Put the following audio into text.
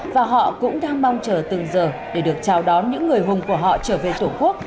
và họ cũng đang mong chờ từng giờ để được chào đón những người hùng của họ trở về tổ quốc